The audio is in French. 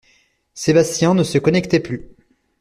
Sébastien ne se connectait plus.